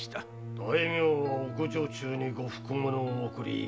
大名は奥女中に呉服物を贈り